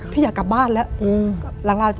อยากกลับบ้านแล้ว